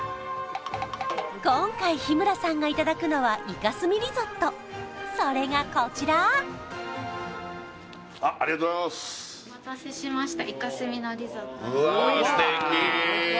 今回日村さんがいただくのはイカスミリゾットそれがこちらあっありがとうございますお待たせしましたうわ